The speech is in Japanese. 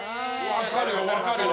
わかるよわかるよ。